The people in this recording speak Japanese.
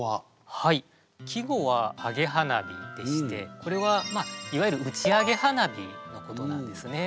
はい季語は「揚げ花火」でしてこれはいわゆる打ち上げ花火のことなんですね。